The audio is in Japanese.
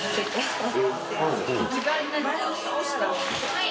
はい。